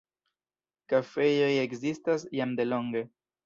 Kafejoj ekzistas jam delonge.